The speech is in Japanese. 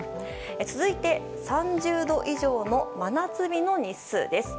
続いて、３０度以上の真夏日の日数です。